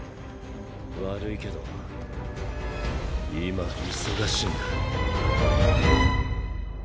悪いけど今忙しいんだ。